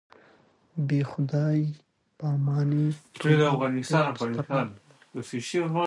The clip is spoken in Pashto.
بې خدای پاماني تګونه ډېر خطرناک دي.